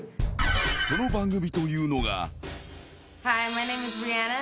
その番組というのが。